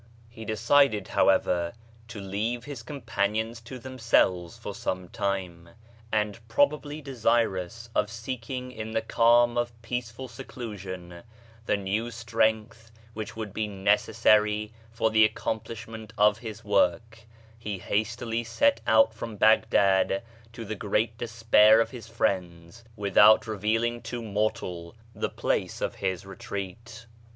He decided, however, to leave his com panions to themselves for some time ; and, probably desirous of seeking in the calm of peaceful seclusion the new strength which would be necessary for the accom plishment of his work, he hastily set out from Baghdad, to the great despair of his friends, without revealing to mortal the place of his retreat.